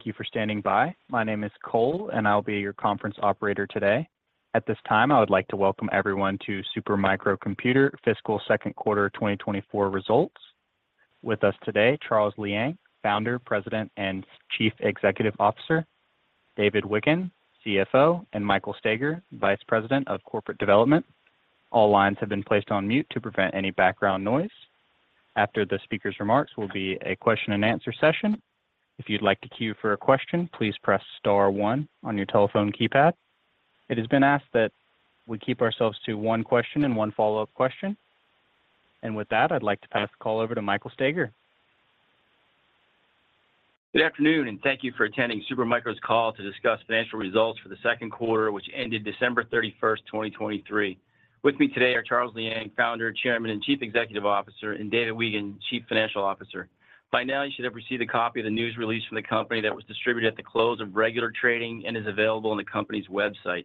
Thank you for standing by. My name is Cole, and I'll be your conference operator today. At this time, I would like to welcome everyone to Supermicro Computer Fiscal Second Quarter 2024 Results. With us today, Charles Liang, Founder, President, and Chief Executive Officer, David Weigand, CFO, and Michael Staiger, Vice President of Corporate Development. All lines have been placed on mute to prevent any background noise. After the speaker's remarks will be a question and answer session. If you'd like to queue for a question, please press star one on your telephone keypad. It has been asked that we keep ourselves to one question and one follow-up question. And with that, I'd like to pass the call over to Michael Staiger. Good afternoon, and thank you for attending Supermicro's call to discuss financial results for the second quarter, which ended December 31, 2023. With me today are Charles Liang, Founder, Chairman, and Chief Executive Officer, and David Weigand, Chief Financial Officer. By now, you should have received a copy of the news release from the company that was distributed at the close of regular trading and is available on the company's website.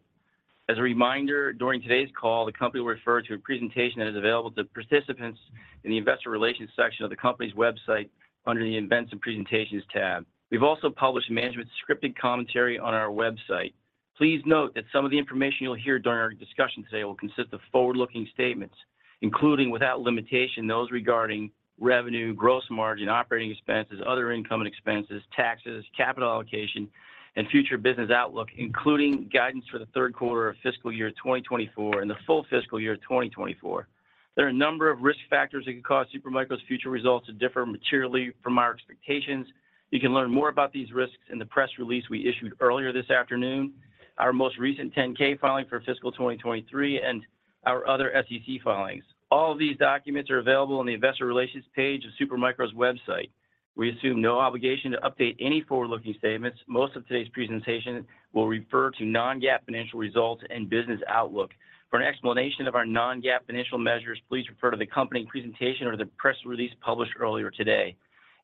As a reminder, during today's call, the company will refer to a presentation that is available to participants in the investor relations section of the company's website under the Events and Presentations tab. We've also published management's scripted commentary on our website. Please note that some of the information you'll hear during our discussion today will consist of forward-looking statements, including, without limitation, those regarding revenue, gross margin, operating expenses, other income and expenses, taxes, capital allocation, and future business outlook, including guidance for the third quarter of fiscal year 2024 and the full fiscal year of 2024. There are a number of risk factors that could cause Supermicro's future results to differ materially from our expectations. You can learn more about these risks in the press release we issued earlier this afternoon, our most recent 10-K filing for fiscal 2023, and our other SEC filings. All of these documents are available on the investor relations page of Supermicro's website. We assume no obligation to update any forward-looking statements. Most of today's presentation will refer to non-GAAP financial results and business outlook. For an explanation of our non-GAAP financial measures, please refer to the company presentation or the press release published earlier today.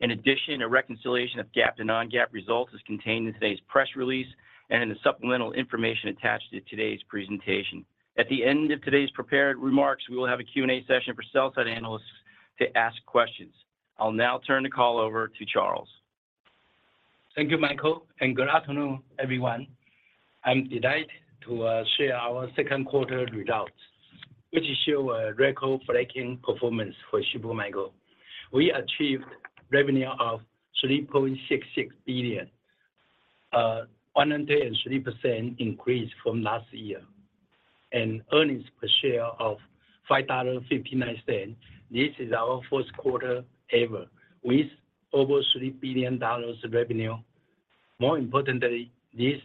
In addition, a reconciliation of GAAP to non-GAAP results is contained in today's press release and in the supplemental information attached to today's presentation. At the end of today's prepared remarks, we will have a Q&A session for sell-side analysts to ask questions. I'll now turn the call over to Charles. Thank you, Michael, and good afternoon, everyone. I'm delighted to share our second quarter results, which show a record-breaking performance for Supermicro. We achieved revenue of $3.66 billion, 103% increase from last year, and earnings per share of $5.59. This is our first quarter ever with over $3 billion revenue. More importantly, this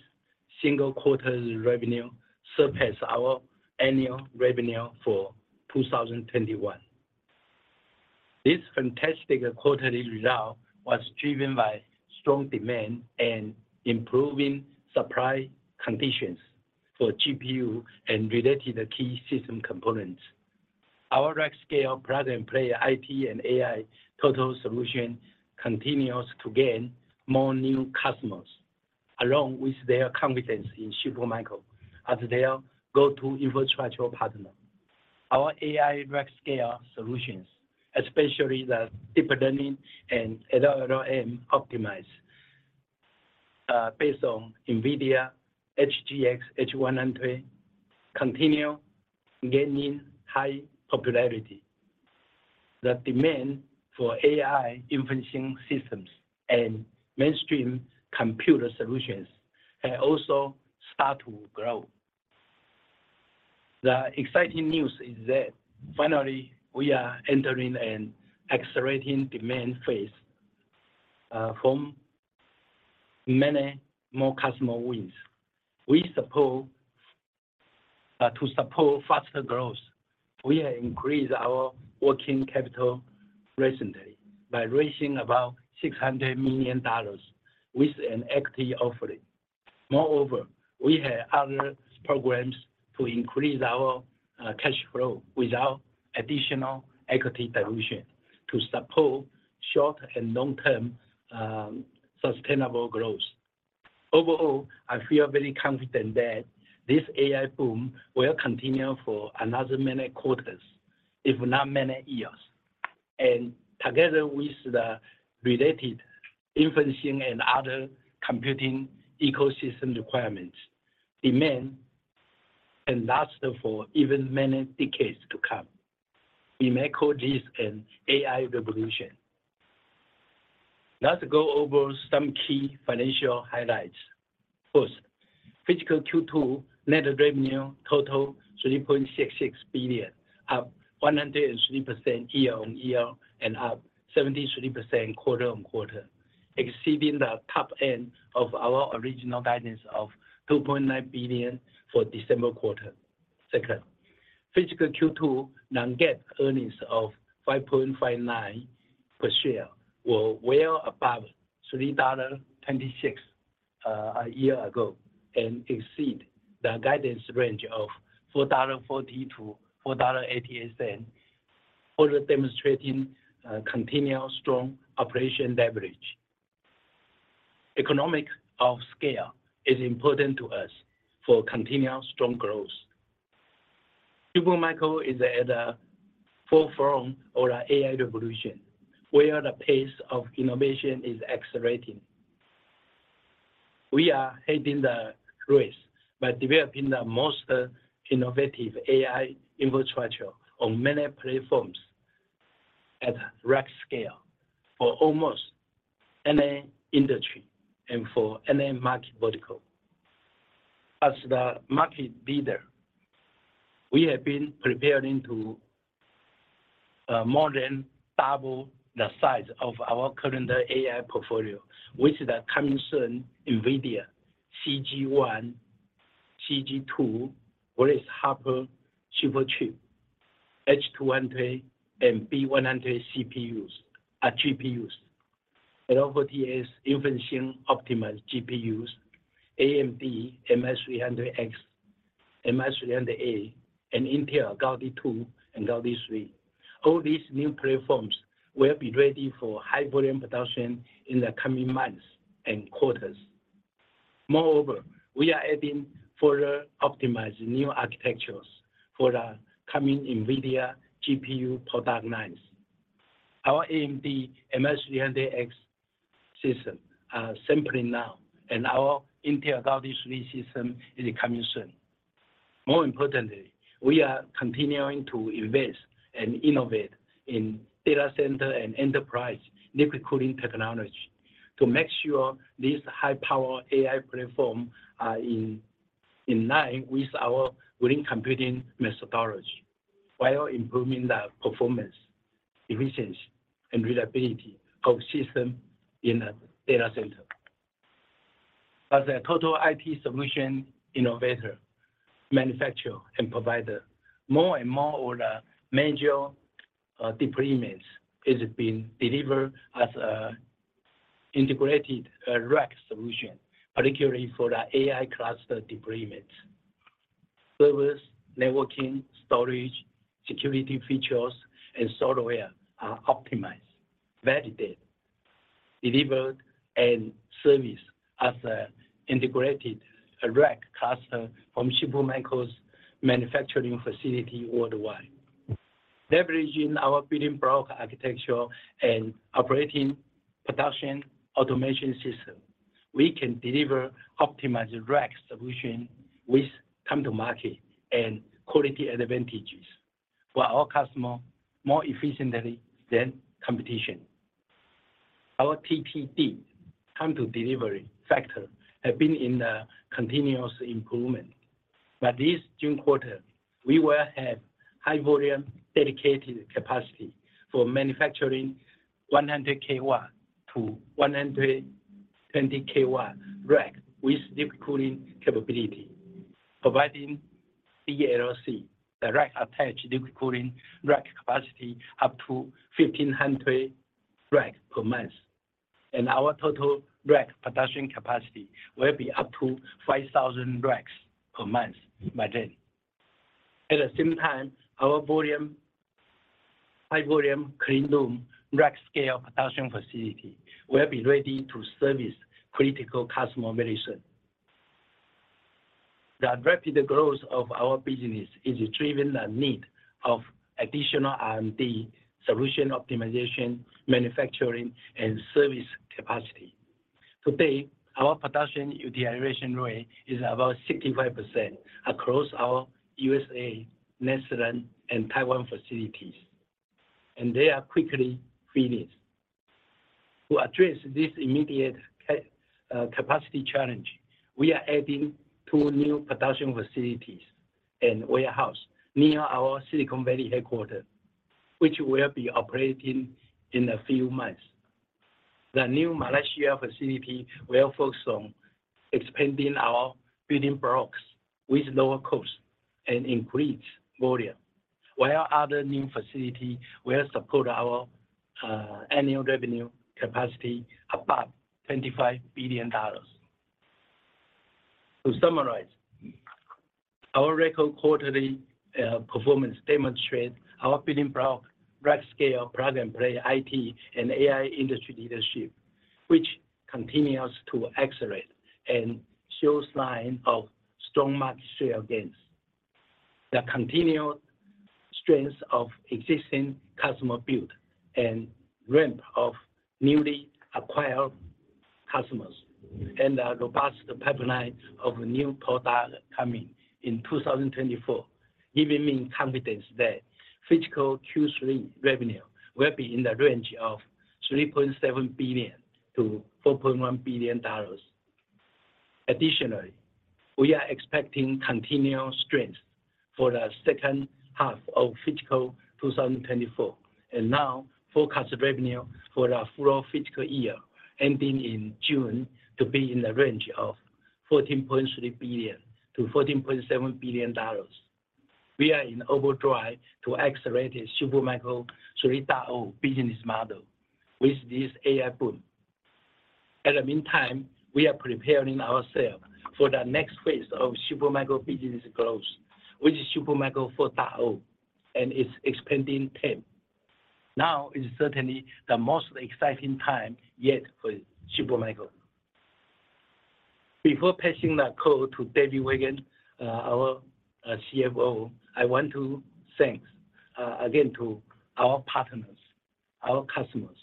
single quarter's revenue surpassed our annual revenue for 2021. This fantastic quarterly result was driven by strong demand and improving supply conditions for GPU and related key system components. Our Rack Scale Plug and Play, IT and AI total solution, continues to gain more new customers, along with their confidence in Supermicro as their go-to infrastructure partner. Our AI Rack Scale solutions, especially the deep learning and LLM optimized, based on NVIDIA HGX H100, continue gaining high popularity. The demand for AI inferencing systems and mainstream computer solutions has also start to grow. The exciting news is that finally, we are entering an accelerating demand phase from many more customer wins. To support faster growth, we have increased our working capital recently by raising about $600 million with an equity offering. Moreover, we have other programs to increase our cash flow without additional equity dilution to support short and long-term sustainable growth. Overall, I feel very confident that this AI boom will continue for another many quarters, if not many years, and together with the related inferencing and other computing ecosystem requirements, demand and last for even many decades to come. We may call this an AI revolution. Now, to go over some key financial highlights. First, fiscal Q2 net revenue total $3.66 billion, up 103% year-over-year and up 73% quarter-over-quarter, exceeding the top end of our original guidance of $2.9 billion for December quarter. Second, fiscal Q2 non-GAAP earnings of $5.59 per share were well above $3.26 a year ago and exceed the guidance range of $4.40-$4.88, further demonstrating continuous strong operational leverage. Economics of scale is important to us for continuous strong growth. Supermicro is at the forefront of the AI revolution, where the pace of innovation is accelerating. We are heading the race by developing the most innovative AI infrastructure on many platforms at rack scale for almost any industry and for any market vertical. As the market leader, we have been preparing to more than double the size of our current AI portfolio, with the coming soon NVIDIA GH200 Grace Hopper Superchip, H200 and B100 CPUs or GPUs, and over L40S InfiniBand optimized GPUs, AMD MI300X, MI300A, and Intel Gaudi 2 and Gaudi 3. All these new platforms will be ready for high-volume production in the coming months and quarters. Moreover, we are adding further optimized new architectures for the coming NVIDIA GPU product lines. Our AMD MI300X system are sampling now, and our Intel Gaudi 3 system is coming soon. More importantly, we are continuing to invest and innovate in data center and enterprise liquid cooling technology to make sure these high-power AI platforms are in line with our green computing methodology, while improving the performance, efficiency, and reliability of system in a data center. As a total IT solution innovator, manufacturer, and provider, more and more of the major deployments is being delivered as a integrated rack solution, particularly for the AI cluster deployments. Service, networking, storage, security features, and software are optimized, validated, delivered, and serviced as a integrated rack cluster from Supermicro's manufacturing facility worldwide. Leveraging our building block architecture and operating production automation system, we can deliver optimized rack solution with time to market and quality advantages for our customer more efficiently than competition. Our TTD, time to delivery factor, have been in the continuous improvement. By this June quarter, we will have high volume dedicated capacity for manufacturing 100-120 kW rack with liquid cooling capability, providing DLC, the rack-attached liquid cooling rack capacity up to 1,500 racks per month, and our total rack production capacity will be up to 5,000 racks per month by then. At the same time, our volume, high-volume, clean room, rack-scale production facility will be ready to service critical customer very soon. The rapid growth of our business is driven by the need of additional R&D, solution optimization, manufacturing, and service capacity. Today, our production utilization rate is about 65% across our USA, Netherlands, and Taiwan facilities, and they are quickly finished. To address this immediate capacity challenge, we are adding two new production facilities and warehouse near our Silicon Valley headquarters, which will be operating in a few months. The new Malaysia facility will focus on expanding our building blocks with lower cost and increased volume, while our other new facility will support our annual revenue capacity above $25 billion. To summarize, our record quarterly performance demonstrate our building block rack scale, plug and play, IT and AI industry leadership, which continues to accelerate and shows sign of strong market share gains. The continued strength of existing customer build and ramp of newly acquired customers, and the robust pipeline of new products coming in 2024, giving me confidence that fiscal Q3 revenue will be in the range of $3.7 billion-$4.1 billion. Additionally, we are expecting continued strength for the second half of fiscal 2024, and now forecast revenue for the full fiscal year, ending in June, to be in the range of $14.3 billion-$14.7 billion. We are in overdrive to accelerate the Supermicro 3.0 business model with this AI boom. At the meantime, we are preparing ourselves for the next phase of Supermicro business growth, which is Supermicro 4.0 and its expanding TAM. Now is certainly the most exciting time yet for Supermicro. Before passing the call to David Weigand, our CFO, I want to thank again to our partners, our customers,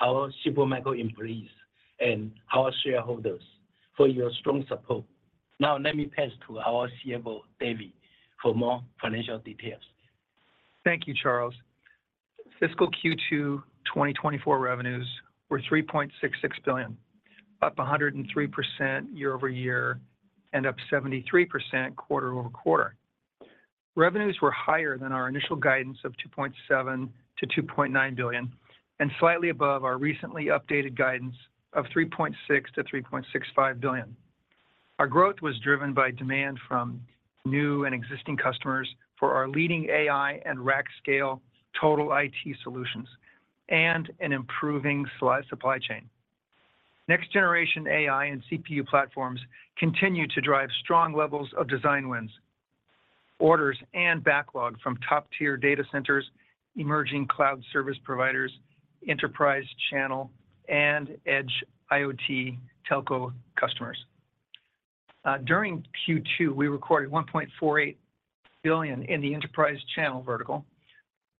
our Supermicro employees, and our shareholders for your strong support. Now, let me pass to our CFO, David, for more financial details. Thank you, Charles. Fiscal Q2 2024 revenues were $3.66 billion, up 103% year-over-year and up 73% quarter-over-quarter. Revenues were higher than our initial guidance of $2.7 billion-$2.9 billion and slightly above our recently updated guidance of $3.6 billion-$3.65 billion. Our growth was driven by demand from new and existing customers for our leading AI and rack scale total IT solutions and an improving supply chain. Next generation AI and CPU platforms continue to drive strong levels of design wins, orders, and backlog from top-tier data centers, emerging cloud service providers, enterprise channel, and edge IoT telco customers. During Q2, we recorded $1.48 billion in the enterprise channel vertical,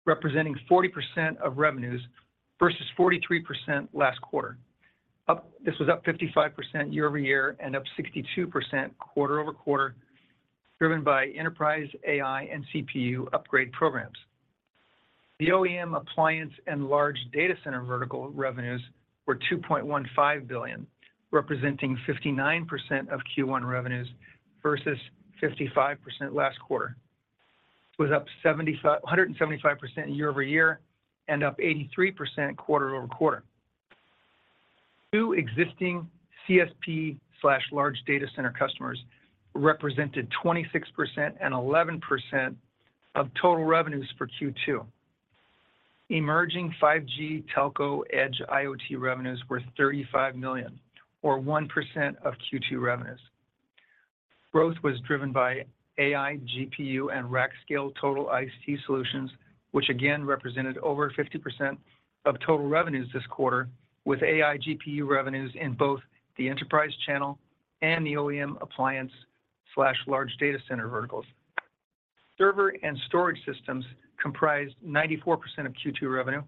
representing 40% of revenues versus 43% last quarter. This was up 55% year-over-year and up 62% quarter-over-quarter, driven by enterprise AI and CPU upgrade programs. The OEM appliance and large data center vertical revenues were $2.15 billion, representing 59% of Q1 revenues versus 55% last quarter. It was up 175% year-over-year and up 83% quarter-over-quarter. Two existing CSP/large data center customers represented 26% and 11% of total revenues for Q2. Emerging 5G telco edge IoT revenues were $35 million or 1% of Q2 revenues. Growth was driven by AI, GPU, and rack scale total IT solutions, which again represented over 50% of total revenues this quarter, with AI GPU revenues in both the enterprise channel and the OEM appliance/large data center verticals. Server and storage systems comprised 94% of Q2 revenue,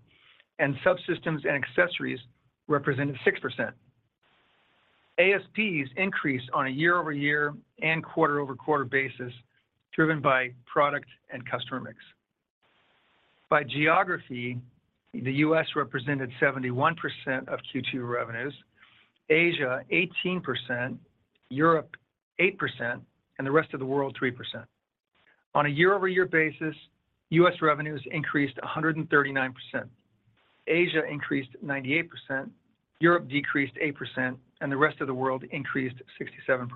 and subsystems and accessories represented 6%. ASPs increased on a year-over-year and quarter-over-quarter basis, driven by product and customer mix. By geography, the U.S. represented 71% of Q2 revenues, Asia 18%, Europe 8%, and the rest of the world, 3%. On a year-over-year basis, U.S. revenues increased 139%, Asia increased 98%, Europe decreased 8%, and the rest of the world increased 67%.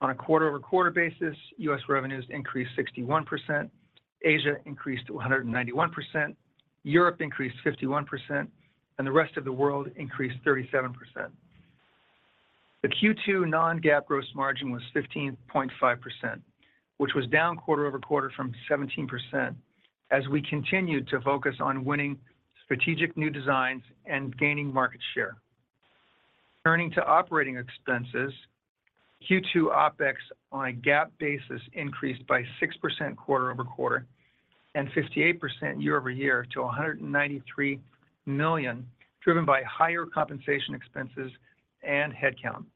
On a quarter-over-quarter basis, U.S. revenues increased 61%, Asia increased 191%, Europe increased 51%, and the rest of the world increased 37%. The Q2 non-GAAP gross margin was 15.5%, which was down quarter-over-quarter from 17%, as we continued to focus on winning strategic new designs and gaining market share. Turning to operating expenses, Q2 OpEx on a GAAP basis increased by 6% quarter-over-quarter and 58% year-over-year to $193 million, driven by higher compensation expenses and headcount.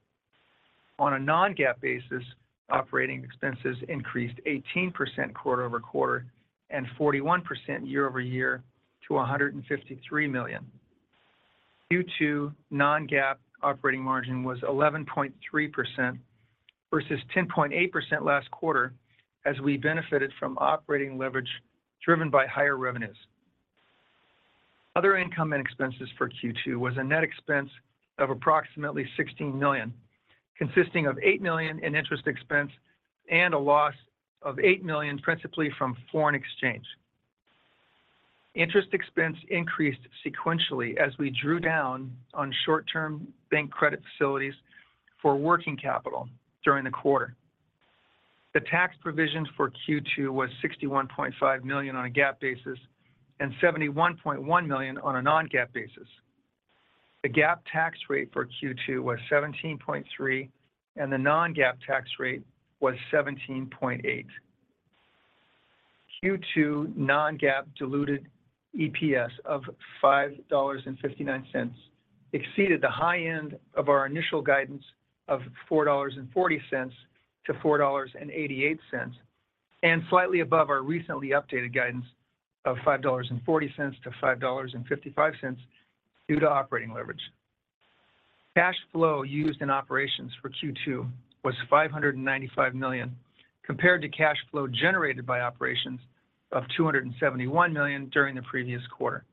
On a non-GAAP basis, operating expenses increased 18% quarter-over-quarter and 41% year-over-year to $153 million. Q2 non-GAAP operating margin was 11.3% versus 10.8% last quarter, as we benefited from operating leverage driven by higher revenues. Other income and expenses for Q2 was a net expense of approximately $16 million, consisting of $8 million in interest expense and a loss of $8 million, principally from foreign exchange. Interest expense increased sequentially as we drew down on short-term bank credit facilities for working capital during the quarter. The tax provision for Q2 was $61.5 million on a GAAP basis and $71.1 million on a non-GAAP basis. The GAAP tax rate for Q2 was 17.3%, and the non-GAAP tax rate was 17.8%. Q2 non-GAAP diluted EPS of $5.59 exceeded the high end of our initial guidance of $4.40-$4.88, and slightly above our recently updated guidance of $5.40-$5.55 due to operating leverage. Cash flow used in operations for Q2 was $595 million, compared to cash flow generated by operations of $271 million during the previous quarter.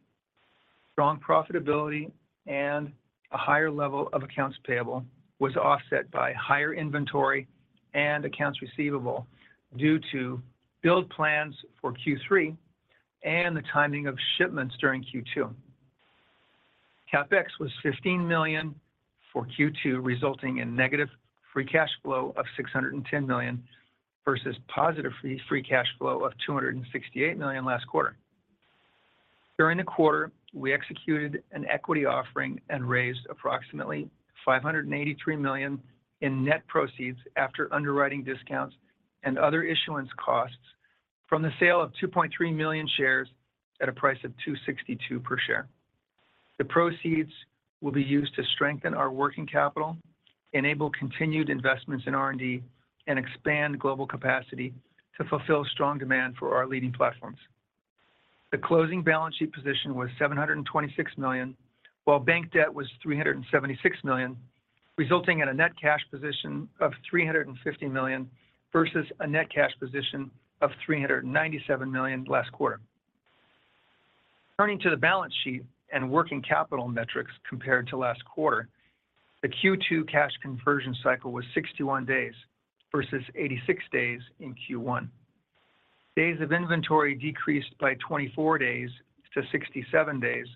Strong profitability and a higher level of accounts payable was offset by higher inventory and accounts receivable due to build plans for Q3 and the timing of shipments during Q2. CapEx was $15 million for Q2, resulting in negative free cash flow of $610 million versus positive free cash flow of $268 million last quarter. During the quarter, we executed an equity offering and raised approximately $583 million in net proceeds after underwriting discounts and other issuance costs from the sale of 2.3 million shares at a price of $262 per share. The proceeds will be used to strengthen our working capital, enable continued investments in R&D, and expand global capacity to fulfill strong demand for our leading platforms. The closing balance sheet position was $726 million, while bank debt was $376 million, resulting in a net cash position of $350 million versus a net cash position of $397 million last quarter. Turning to the balance sheet and working capital metrics compared to last quarter, the Q2 cash conversion cycle was 61 days, versus 86 days in Q1. Days of inventory decreased by 24 days to 67 days,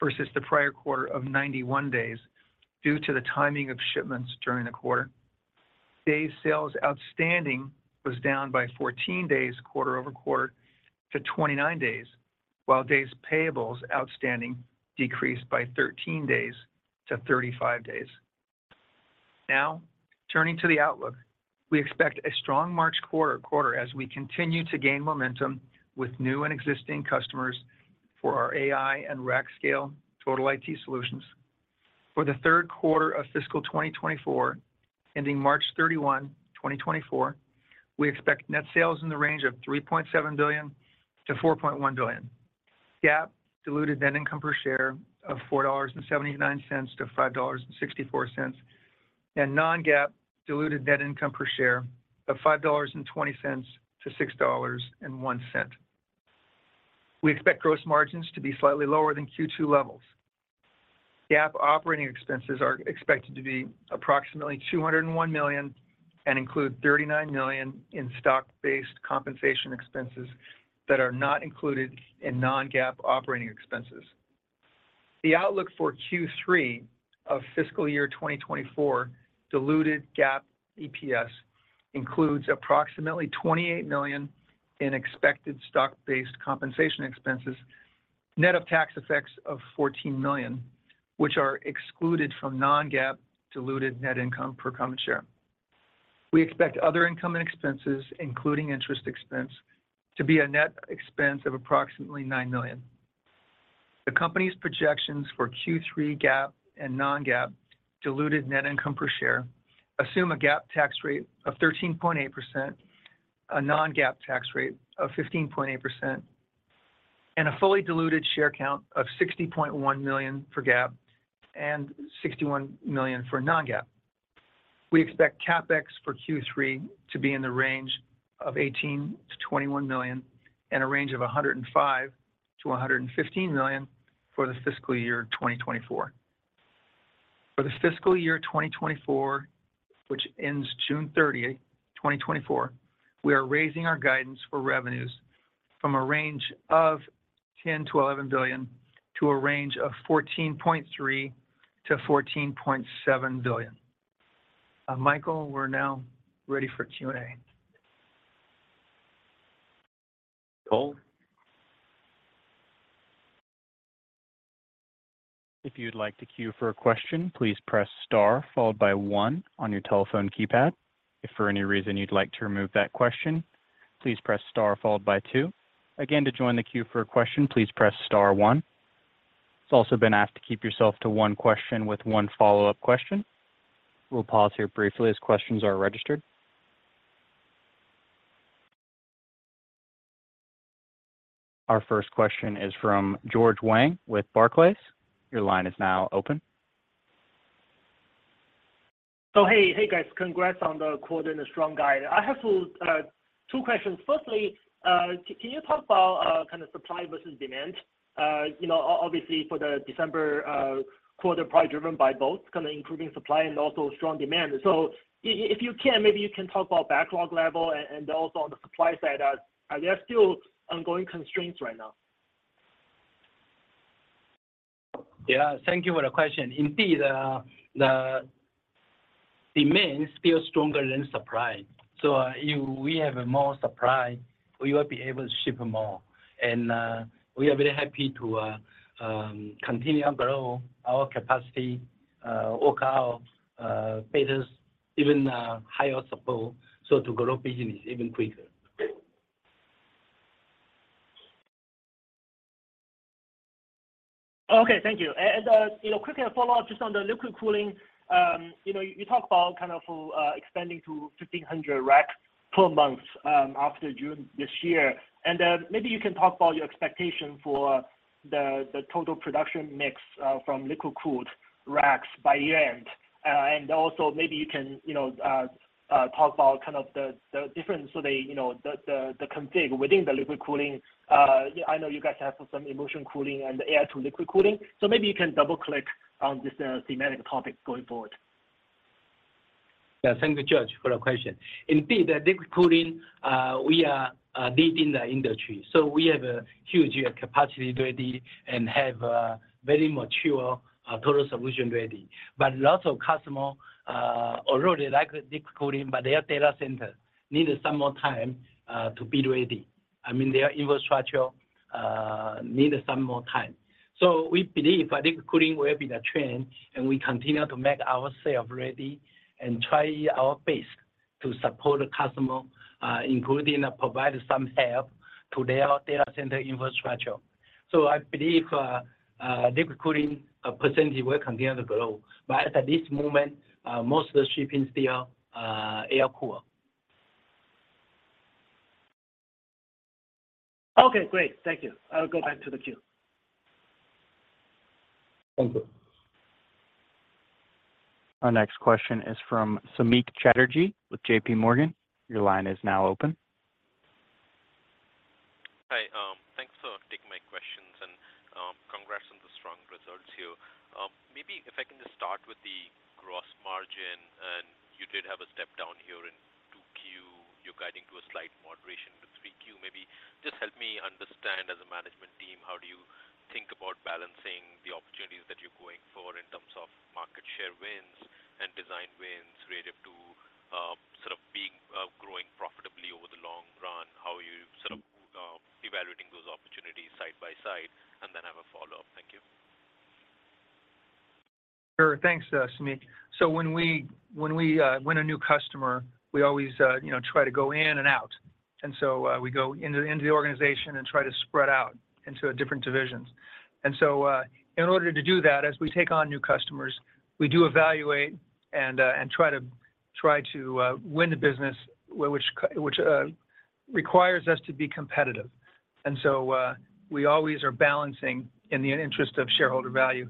versus the prior quarter of 91 days, due to the timing of shipments during the quarter. Days sales outstanding was down by 14 days quarter-over-quarter to 29 days, while days payables outstanding decreased by 13 days to 35 days. Now, turning to the outlook. We expect a strong March quarter as we continue to gain momentum with new and existing customers for our AI and rack scale total IT solutions. For the third quarter of fiscal 2024, ending March 31, 2024, we expect net sales in the range of $3.7 billion-$4.1 billion. GAAP diluted net income per share of $4.79-$5.64, and non-GAAP diluted net income per share of $5.20-$6.01. We expect gross margins to be slightly lower than Q2 levels. GAAP operating expenses are expected to be approximately $201 million and include $39 million in stock-based compensation expenses that are not included in non-GAAP operating expenses. The outlook for Q3 of fiscal year 2024 diluted GAAP EPS includes approximately $28 million in expected stock-based compensation expenses, net of tax effects of $14 million, which are excluded from non-GAAP diluted net income per common share. We expect other income and expenses, including interest expense, to be a net expense of approximately $9 million. The company's projections for Q3 GAAP and non-GAAP diluted net income per share assume a GAAP tax rate of 13.8%, a non-GAAP tax rate of 15.8%, and a fully diluted share count of 60.1 million for GAAP and 61 million for non-GAAP. We expect CapEx for Q3 to be in the range of $18 million-$21 million and a range of $105 million-$115 million for the fiscal year 2024. For the fiscal year 2024, which ends June 30, 2024, we are raising our guidance for revenues from a range of $10 billion-$11 billion to a range of $14.3 billion-$14.7 billion. Michael, we're now ready for Q&A. Cool. If you'd like to queue for a question, please press star, followed by one on your telephone keypad. If for any reason you'd like to remove that question, please press star, followed by two. Again, to join the queue for a question, please press star one. It's also been asked to keep yourself to one question with one follow-up question. We'll pause here briefly as questions are registered. Our first question is from George Wang with Barclays. Your line is now open. Hey, hey, guys. Congrats on the quarter and the strong guide. I have two, two questions. Firstly, can you talk about, kind of supply versus demand? You know, obviously, for the December quarter, probably driven by both kinda improving supply and also strong demand. So if you can, maybe you can talk about backlog level and also on the supply side, are there still ongoing constraints right now? Yeah, thank you for the question. Indeed, the demand still stronger than supply, so if we have more supply, we will be able to ship more. We are very happy to continue and grow our capacity, work our business even higher support, so to grow business even quicker. Okay, thank you. And, you know, quickly to follow up just on the liquid cooling, you know, you talked about kind of expanding to 1,500 racks per month after June this year. And maybe you can talk about your expectation for the total production mix from liquid-cooled racks by year-end. And also maybe you can, you know, talk about kind of the difference, so the config within the liquid cooling. I know you guys have some immersion cooling and air to liquid cooling, so maybe you can double-click on this thematic topic going forward. Yeah. Thank you, George, for the question. Indeed, the liquid cooling, we are leading the industry, so we have a huge capacity ready and have a very mature total solution ready. But lots of customer already like the liquid cooling, but their data center needed some more time to be ready. I mean, their infrastructure needed some more time. So we believe liquid cooling will be the trend, and we continue to make ourselves ready and try our best to support the customer, including providing some help to their data center infrastructure. So I believe liquid cooling percentage will continue to grow. But at this moment, most of the shipping still air cool. Okay, great. Thank you. I'll go back to the queue. Thank you. Our next question is from Samik Chatterjee with JPMorgan. Your line is now open. Hi, thanks for taking my questions, and, congrats on the strong results here. Maybe if I can just start with the gross margin, and you did have a step down here in 2Q. You're guiding to a slight moderation with 3Q. Maybe just help me understand, as a management team, how do you think about balancing the opportunities that you're going for in terms of market share wins and design wins, relative to, sort of being, growing profitably over the long run? How are you sort of, evaluating those opportunities side by side? And then I have a follow-up. Thank you. Sure. Thanks, Samik. So when we, when we, win a new customer, we always, you know, try to go in and out. And so, we go into, into the organization and try to spread out into different divisions. And so, in order to do that, as we take on new customers, we do evaluate and, and try to, try to, win the business, which, which, requires us to be competitive. And so, we always are balancing in the interest of shareholder value,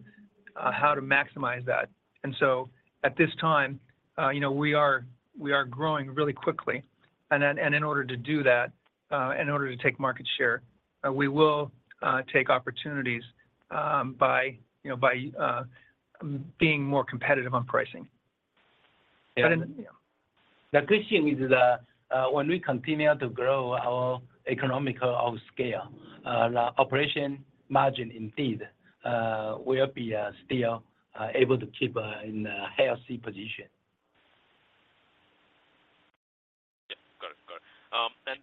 how to maximize that. And so at this time, you know, we are, we are growing really quickly. And then, and in order to do that, in order to take market share, we will, take opportunities, by, you know, by, being more competitive on pricing. But in- Yeah. The good thing is that, when we continue to grow our economies of scale, the operating margin indeed will be still able to keep in a healthy position.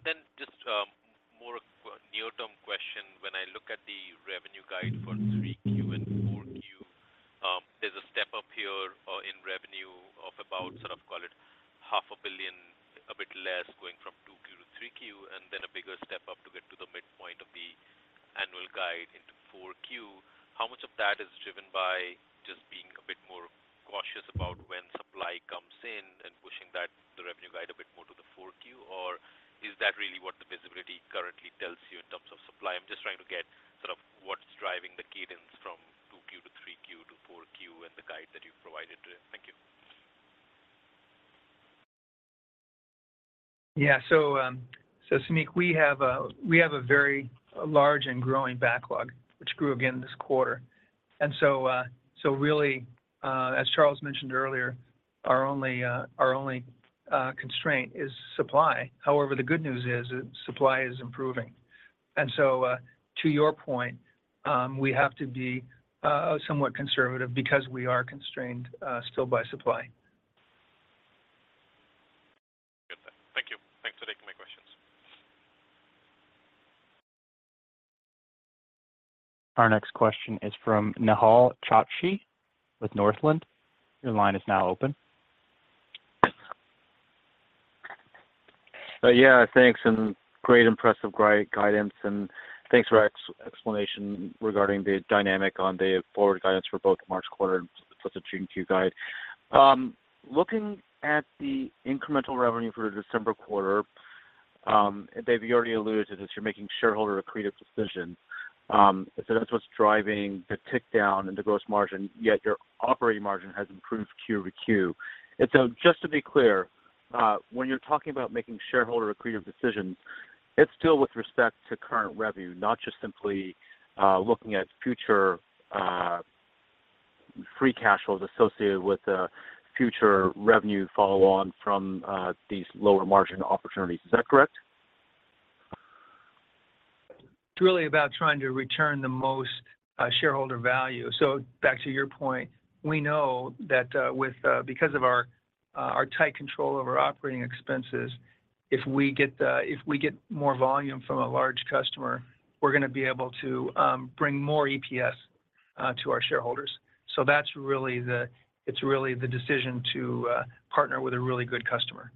Yeah. Got it. Got it. And then just, more of a near-term question, when I look at the revenue guide for 3Q and 4Q, there's a step-up here, in revenue of about sort of call it $500 million, a bit less, going from 2Q to 3Q, and then a bigger step-up to get to the midpoint of the annual guide into 4Q. How much of that is driven by just being a bit more cautious about when supply comes in and pushing that, the revenue guide, a bit more to the 4Q? Or is that really what the visibility currently tells you in terms of supply? I'm just trying to get sort of what's driving the cadence from 2Q to 3Q to 4Q and the guide that you've provided today. Thank you. Yeah. So, Samik, we have a very large and growing backlog, which grew again this quarter. And so, really, as Charles mentioned earlier, our only constraint is supply. However, the good news is that supply is improving. And so, to your point, we have to be somewhat conservative because we are constrained still by supply. Good, thank you. Thanks for taking my questions. Our next question is from Nehal Chokshi with Northland. Your line is now open. Yeah, thanks, and great, impressive guidance, and thanks for your explanation regarding the dynamic on the forward guidance for both March quarter and for the Q2 guide. Looking at the incremental revenue for the December quarter, Dave, you already alluded that you're making shareholder accretive decisions, so that's what's driving the tick down in the gross margin, yet your operating margin has improved quarter-over-quarter. And so just to be clear, when you're talking about making shareholder accretive decisions, it's still with respect to current revenue, not just simply looking at future free cash flows associated with future revenue follow-on from these lower margin opportunities. Is that correct? It's really about trying to return the most shareholder value. So back to your point, we know that because of our tight control over operating expenses, if we get more volume from a large customer, we're going to be able to bring more EPS to our shareholders. So that's really the decision to partner with a really good customer.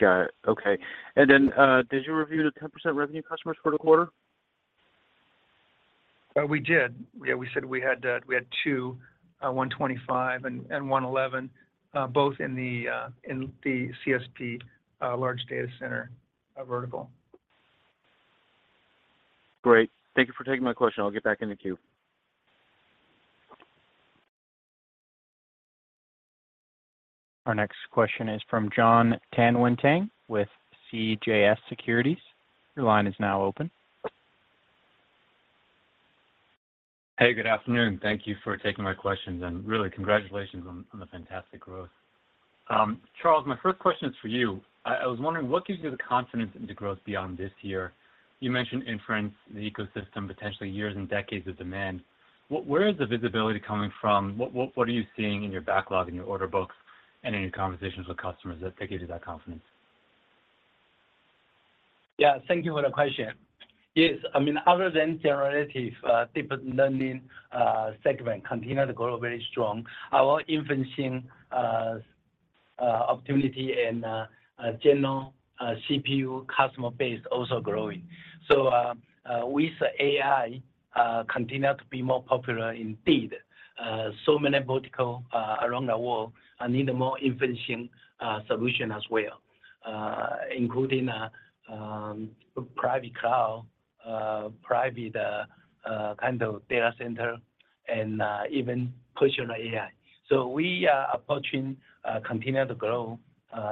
Got it. Okay. And then, did you review the 10% revenue customers for the quarter? We did. Yeah, we said we had two, 125 and 111, both in the CSP large data center vertical. Great. Thank you for taking my question. I'll get back in the queue. Our next question is from Jon Tanwanteng with CJS Securities. Your line is now open. Hey, good afternoon. Thank you for taking my questions. Really, congratulations on the fantastic growth. Charles, my first question is for you. I was wondering, what gives you the confidence in the growth beyond this year? You mentioned inference, the ecosystem, potentially years and decades of demand. Where is the visibility coming from? What are you seeing in your backlog, in your order books, and in your conversations with customers that gives you that confidence? Yeah, thank you for the question. Yes, I mean, other than generative deep learning segment continue to grow very strong, our inferencing opportunity and general CPU customer base also growing. So, with AI continue to be more popular indeed, so many vertical around the world and need a more inferencing solution as well, including private cloud, private kind of data center and even personal AI. So we are approaching continue to grow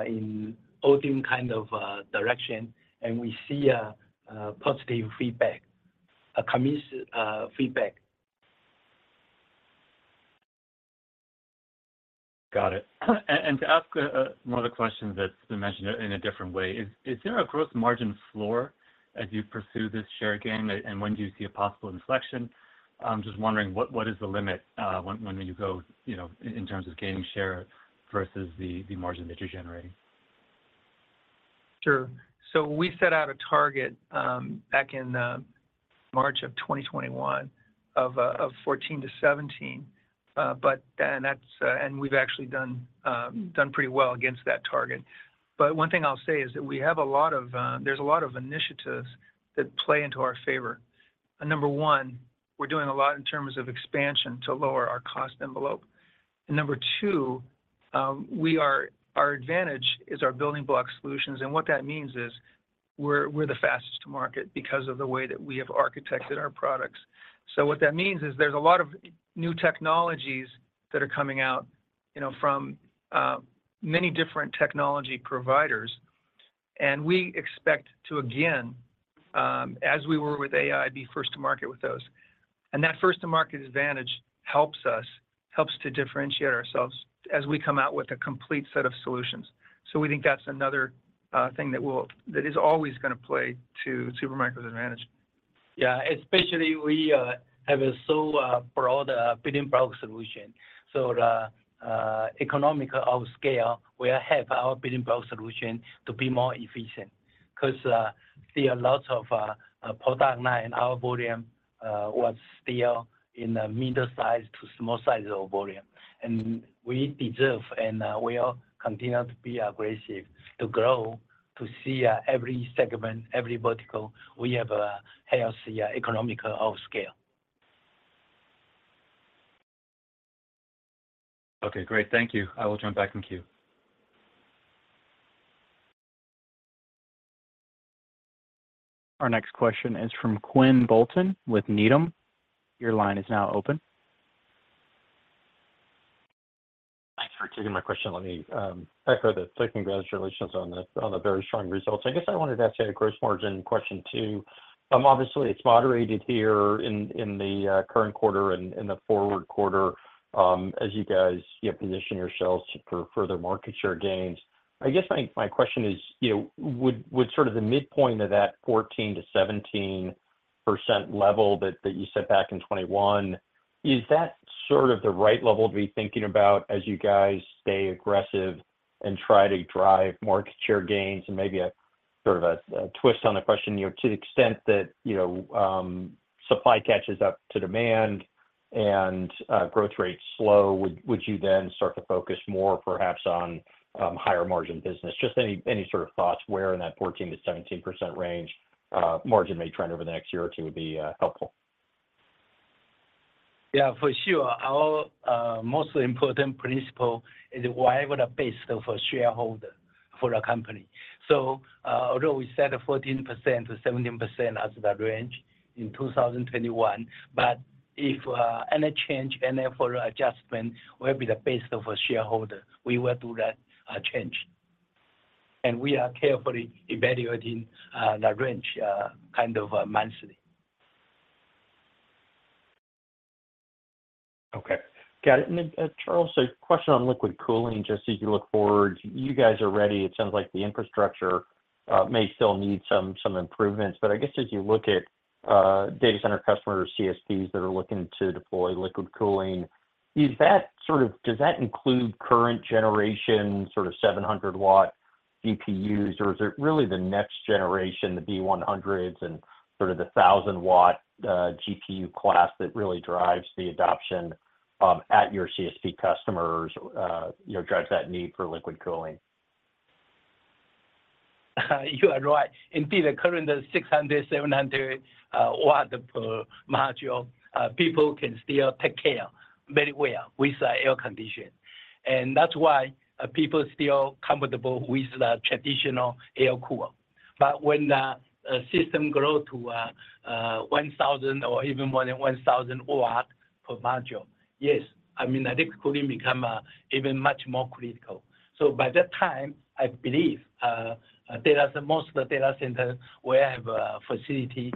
in both in kind of direction, and we see a positive feedback, a committed feedback. Got it. And to ask another question that's mentioned in a different way, is there a gross margin floor as you pursue this share gain? And when do you see a possible inflection? I'm just wondering what is the limit when you go, you know, in terms of gaining share versus the margin that you're generating? Sure. So we set out a target back in March 2021 of 14-17, but that's, and we've actually done pretty well against that target. But one thing I'll say is that there's a lot of initiatives that play into our favor. And number one, we're doing a lot in terms of expansion to lower our cost envelope. And number two, our advantage is our Building Block Solutions, and what that means is we're the fastest to market because of the way that we have architected our products. So what that means is there's a lot of new technologies that are coming out, you know, from many different technology providers, and we expect to, again, as we were with AI, be first to market with those. And that first to market advantage helps us, helps to differentiate ourselves as we come out with a complete set of solutions. So we think that's another thing that is always gonna play to Supermicro's advantage. Yeah, especially we have a so broad Building Block Solution. So the economies of scale will help our Building Block Solution to be more efficient 'cause there are lots of product line, our volume was still in a middle size to small size of volume. And we deserve, and we are continue to be aggressive to grow, to see every segment, every vertical. We have a healthy economies of scale. Okay, great. Thank you. I will jump back in queue. Our next question is from Quinn Bolton with Needham. Your line is now open. Thanks for taking my question. Let me echo the congratulations on the very strong results. I guess I wanted to ask a gross margin question, too. Obviously, it's moderated here in the current quarter and the forward quarter, as you guys position yourselves for further market share gains. I guess my question is, you know, would sort of the midpoint of that 14%-17% level that you set back in 2021, is that sort of the right level to be thinking about as you guys stay aggressive and try to drive market share gains? And maybe a sort of twist on the question, you know, to the extent that, you know, supply catches up to demand and growth rates slow, would you then start to focus more perhaps on higher margin business? Just any sort of thoughts where in that 14%-17% range, margin may trend over the next year or two would be helpful. Yeah, for sure. Our most important principle is whatever the best of shareholder for our company. So, although we set a 14%-17% as the range in 2021, but if any change and therefore adjustment will be the best of a shareholder, we will do that change. And we are carefully evaluating the range kind of monthly. Okay, got it. And, Charles, a question on liquid cooling, just as you look forward, you guys are ready. It sounds like the infrastructure may still need some improvements, but I guess as you look at data center customers, CSPs that are looking to deploy liquid cooling, is that sort of, does that include current generation, sort of 700 W CPUs? Or is it really the next generation, the B100s and sort of the 1,000 W GPU class that really drives the adoption at your CSP customers, you know, drives that need for liquid cooling? You are right. Indeed, the current 600 W, 700 W per module, people can still take care very well with the air conditioning. And that's why, people still comfortable with the traditional air cooler. But when the, system grow to, one thousand or even more than 1,000 W per module, yes, I mean, the liquid cooling become, even much more critical. So by that time, I believe, data centers, most of the data centers will have a facility,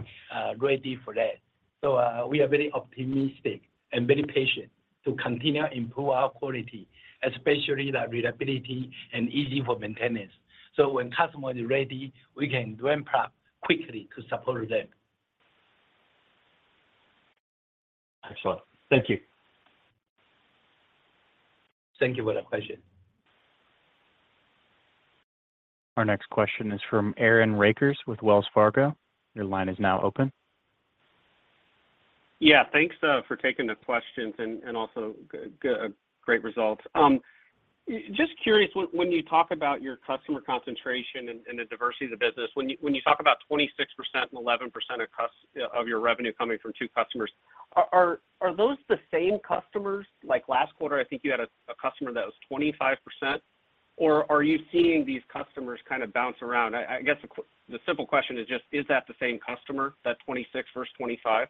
ready for that. So, we are very optimistic and very patient to continue improve our quality, especially the reliability and easy for maintenance. So when customer is ready, we can ramp up quickly to support them. Excellent. Thank you. Thank you for the question. Our next question is from Aaron Rakers with Wells Fargo. Your line is now open. Yeah, thanks for taking the questions and also great results. Just curious, when you talk about your customer concentration and the diversity of the business, when you talk about 26% and 11% of your revenue coming from two customers, are those the same customers? Like last quarter, I think you had a customer that was 25%. Or are you seeing these customers kind of bounce around? I guess the simple question is just, is that the same customer, that 26% versus 25%?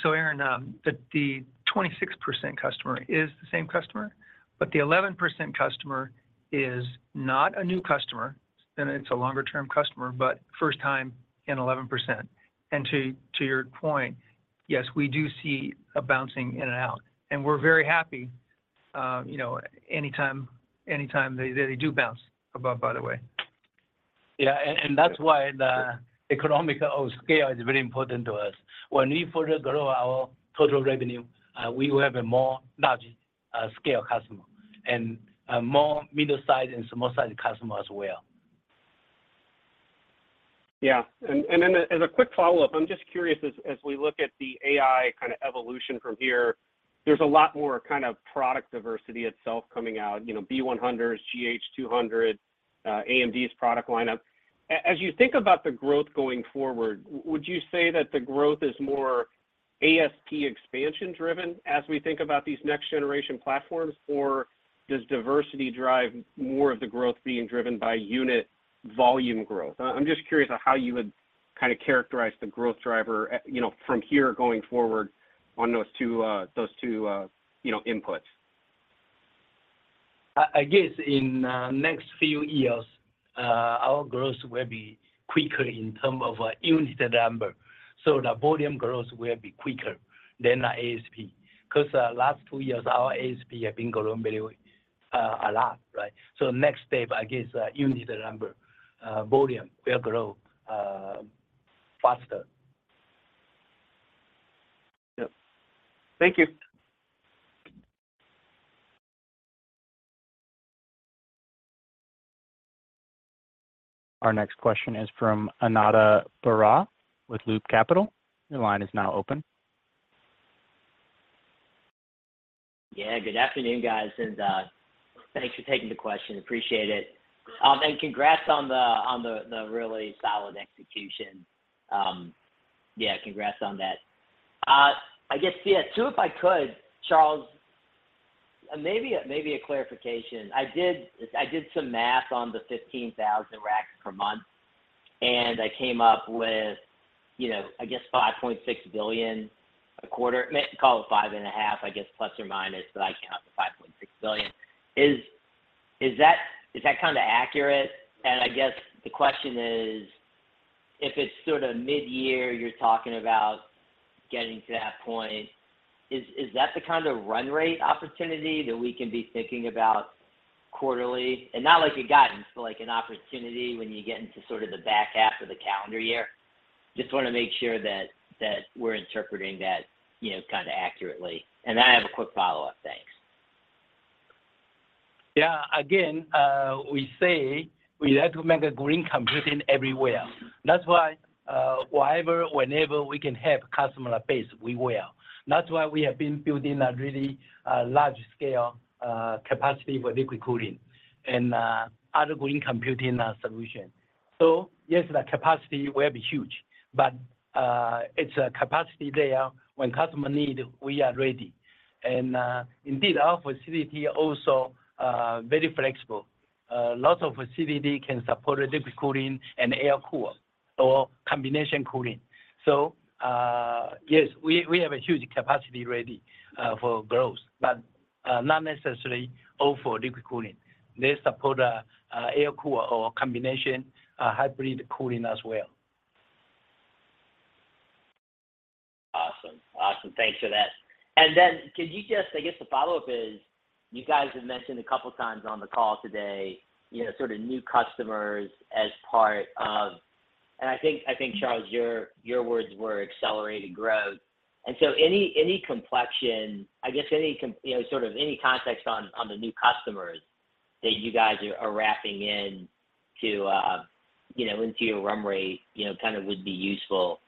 So, Aaron, the 26% customer is the same customer, but the 11% customer is not a new customer, and it's a longer-term customer, but first time in 11%. And to your point, yes, we do see a bouncing in and out, and we're very happy, you know, anytime they do bounce above, by the way. Yeah, and that's why the economies of scale is very important to us. When we further grow our total revenue, we will have a more large scale customer and more middle-size and small-size customer as well. Yeah. And then as a quick follow-up, I'm just curious, as we look at the AI kind of evolution from here, there's a lot more kind of product diversity itself coming out, you know, B100, GH200, AMD's product lineup. As you think about the growth going forward, would you say that the growth is more ASP expansion driven as we think about these next-generation platforms? Or does diversity drive more of the growth being driven by unit volume growth? I'm just curious on how you would kind of characterize the growth driver, you know, from here going forward on those two, you know, inputs. I guess in next few years, our growth will be quicker in term of unit number. So the volume growth will be quicker than the ASP, 'cause last two years, our ASP have been growing very a lot, right? So next step, I guess, unit number volume will grow faster. Yep. Thank you. Our next question is from Ananda Baruah with Loop Capital. Your line is now open. Yeah, good afternoon, guys, and, thanks for taking the question. Appreciate it. And congrats on the really solid execution. Yeah, congrats on that. I guess, yeah, two, if I could, Charles, maybe a clarification. I did some math on the 15,000 racks per month, and I came up with, you know, I guess $5.6 billion a quarter. Call it $5.5 billion, I guess, plus or minus, but I count to $5.6 billion. Is that kind of accurate? And I guess the question is, if it's sort of mid-year, you're talking about getting to that point, is that the kind of run rate opportunity that we can be thinking about quarterly? And not like you've gotten, but like an opportunity when you get into sort of the back half of the calendar year. Just want to make sure that we're interpreting that, you know, kind of accurately. And then I have a quick follow-up. Thanks. Yeah, again, we say we like to make a green computing everywhere. That's why, wherever, whenever we can have customer base, we will. That's why we have been building a really, large scale, capacity for liquid cooling and, other green computing, solution. So yes, the capacity will be huge, but, it's a capacity there. When customer need, we are ready. And, indeed, our facility also, very flexible. Lots of facility can support liquid cooling and air cooler or combination cooling. So, yes, we have a huge capacity ready, for growth, but, not necessarily all for liquid cooling. They support, air cooler or combination, hybrid cooling as well. Awesome. Awesome. Thanks for that. And then could you just. I guess the follow-up is, you guys have mentioned a couple of times on the call today, you know, sort of new customers as part of and I think, I think, Charles, your, your words were accelerated growth. And so any, any complexion, I guess, any context on, on the new customers that you guys are, are wrapping in to, you know, into your run rate, you know, kind of would be useful.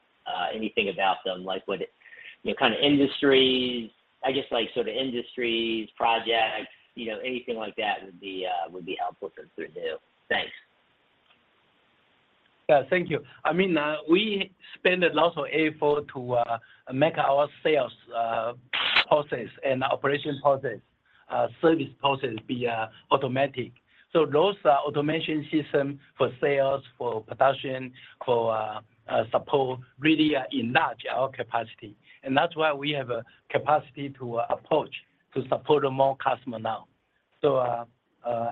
Anything about them, like what, you know, kind of industries, I guess, like sort of industries, projects, you know, anything like that would be helpful for us to do. Thanks. Yeah, thank you. I mean, we spend a lot of effort to make our sales process and operations process, service process be automatic. So those automation system for sales, for production, for support really enlarge our capacity, and that's why we have a capacity to approach to support more customer now. So,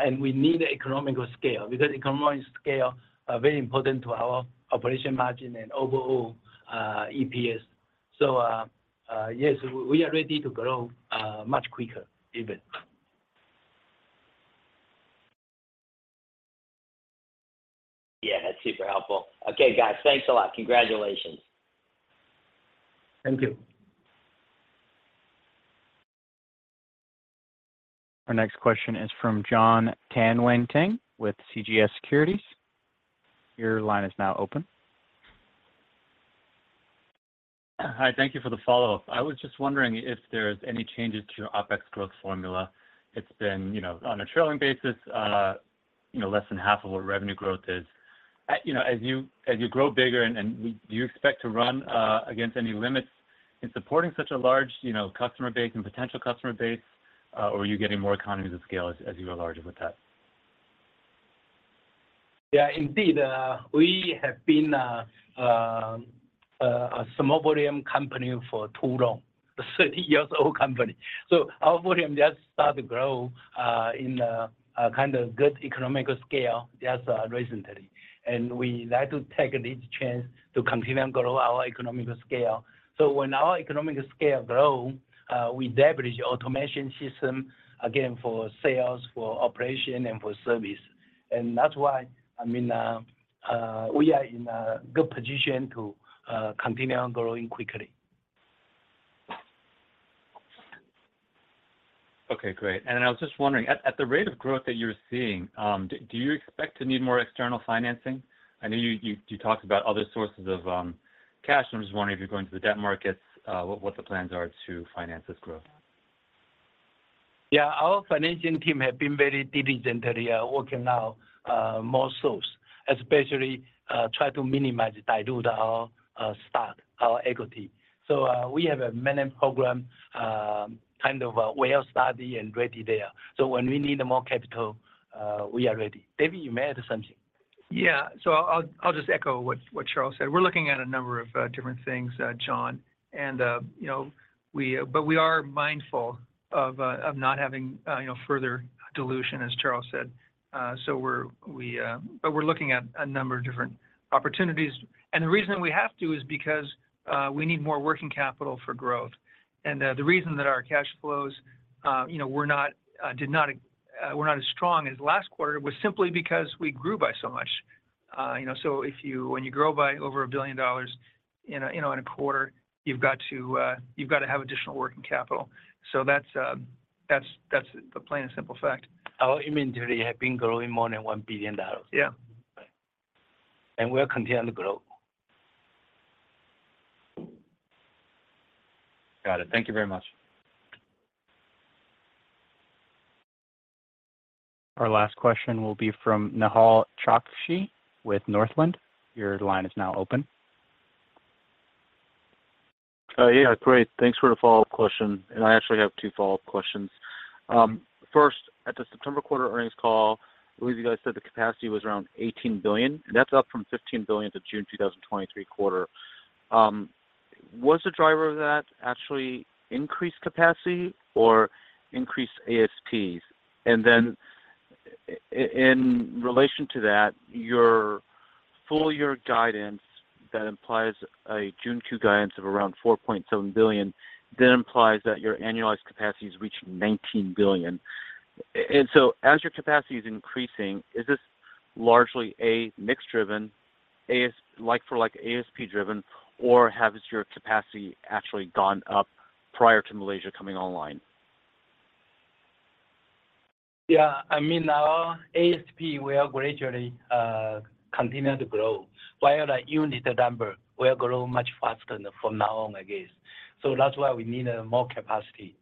and we need economical scale, because economical scale are very important to our operation margin and overall EPS. So, yes, we are ready to grow much quicker, even. Yeah, that's super helpful. Okay, guys, thanks a lot. Congratulations! Thank you. Our next question is from Jon Tanwanteng with CJS Securities. Your line is now open. Hi, thank you for the follow-up. I was just wondering if there's any changes to your OpEx growth formula. It's been, you know, on a trailing basis, you know, less than half of what revenue growth is. You know, as you, as you grow bigger and, and do you expect to run against any limits in supporting such a large, you know, customer base and potential customer base? Or are you getting more economies of scale as, as you get larger with that? Yeah, indeed, we have been a small volume company for too long, a 30-year-old company. So our volume just start to grow in a kind of good economical scale just recently. And we like to take this chance to continue and grow our economical scale. So when our economical scale grow, we leverage automation system again for sales, for operation, and for service. And that's why, I mean, we are in a good position to continue on growing quickly. Okay, great. And I was just wondering, at the rate of growth that you're seeing, do you expect to need more external financing? I know you talked about other sources of cash. I'm just wondering if you're going to the debt markets, what the plans are to finance this growth. Yeah. Our financing team have been very diligently working now, more source, especially try to minimize dilute our stock, our equity. So we have a many program, kind of well-study and ready there. So when we need more capital, we are ready. David, you may add something. Yeah, so I'll just echo what Charles said. We're looking at a number of different things, John, and, you know, but we are mindful of not having, you know, further dilution, as Charles said. So, but we're looking at a number of different opportunities. And the reason we have to is because we need more working capital for growth. And the reason that our cash flows, you know, were not as strong as last quarter was simply because we grew by so much. You know, so when you grow by over $1 billion in a quarter, you've got to have additional working capital. So that's the plain and simple fact. Our inventory have been growing more than $1 billion. Yeah. We'll continue to grow. Got it. Thank you very much. Our last question will be from Nehal Chokshi with Northland. Your line is now open. Yeah, great. Thanks for the follow-up question, and I actually have two follow-up questions. First, at the September quarter earnings call, I believe you guys said the capacity was around $18 billion, and that's up from $15 billion to June 2023 quarter. Was the driver of that actually increased capacity or increased ASPs? And then in relation to that, your full year guidance, that implies a June Q guidance of around $4.7 billion, then implies that your annualized capacity is reaching $19 billion. And so as your capacity is increasing, is this largely, A, mixed driven, ASP—like for like ASP driven, or has your capacity actually gone up prior to Malaysia coming online? Yeah, I mean, our ASP will gradually continue to grow, while our unit number will grow much faster from now on, I guess. So that's why we need more capacity.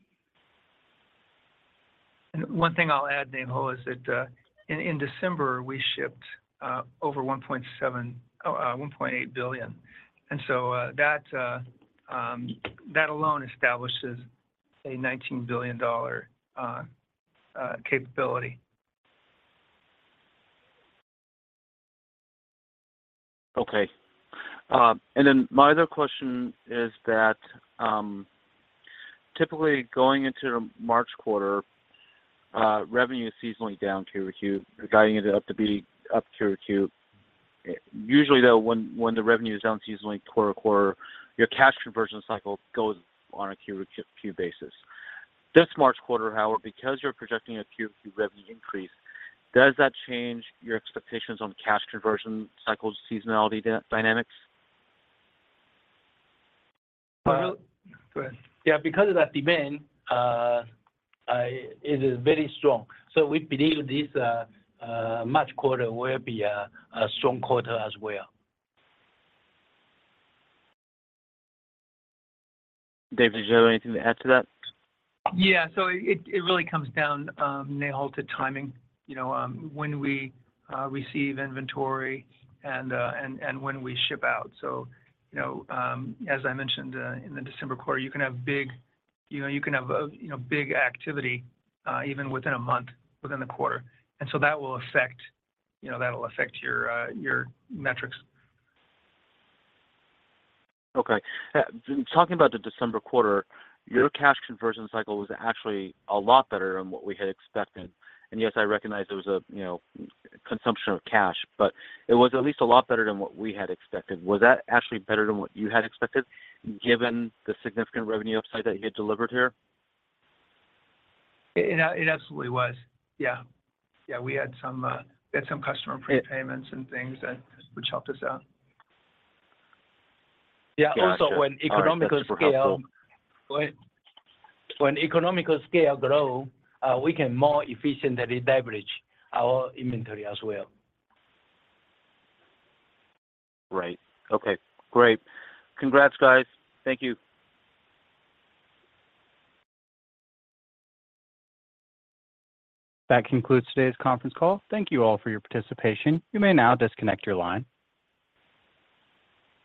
One thing I'll add, Nehal, is that in December we shipped over 1.7 billion, oh, 1.8 billion. So that alone establishes a $19 billion capability. Okay. And then my other question is that, typically going into the March quarter, revenue is seasonally down quarter-to-quarter, guiding it up to be up quarter-to-quarter. Usually, though, when the revenue is down seasonally quarter-to-quarter, your cash conversion cycle goes on a quarter-to-quarter basis. This March quarter, however, because you're projecting a quarter-to-quarter revenue increase, does that change your expectations on cash conversion cycle seasonality dynamics? Well- Go ahead. Yeah, because of that demand, it is very strong. So we believe this March quarter will be a strong quarter as well. David, did you have anything to add to that? Yeah, so it really comes down, Nehal, to timing, you know, when we receive inventory and when we ship out. So, you know, as I mentioned, in the December quarter, you can have big activity, you know, even within a month, within the quarter, and so that will affect, you know, that'll affect your metrics. Okay. Talking about the December quarter your cash conversion cycle was actually a lot better than what we had expected. Yes, I recognize it was a, you know, consumption of cash, but it was at least a lot better than what we had expected. Was that actually better than what you had expected, given the significant revenue upside that you had delivered here? It, it absolutely was. Yeah. Yeah, we had some, we had some customer prepayments and things which helped us out. Yeah- Gotcha Also when economical scale- All right. That's super helpful. Go ahead. When economical scale grow, we can more efficiently leverage our inventory as well. Right. Okay, great. Congrats, guys. Thank you. That concludes today's conference call. Thank you all for your participation. You may now disconnect your line.